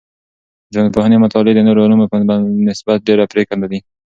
د ټولنپوهنې مطالعې د نورو علمونو په نسبت ډیر پریکنده دی.